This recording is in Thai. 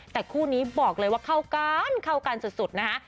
แต่คู่นี้บอกเลยว่าเข้ากันเข้ากันสุดนะคะ